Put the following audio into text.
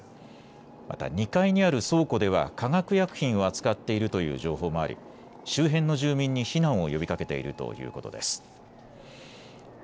また２階にある倉庫では化学薬品を扱っているという情報もあり周辺の住民に避難を呼びかけているということです。